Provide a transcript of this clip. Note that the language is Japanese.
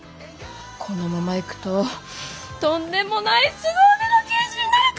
このままいくととんでもないすご腕の刑事になるかも！